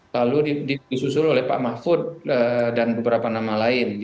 lalu disusul oleh pak mahfud dan beberapa nama lain